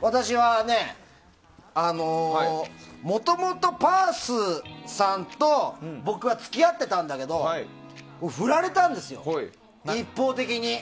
私はね、もともとパースさんと僕が付き合ってたんだけどフラれたんですよ、一方的に。